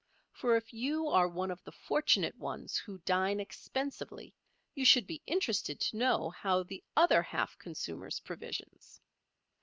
For if you are one of the fortunate ones who dine expensively you should be interested to know how the other half consumes provisions.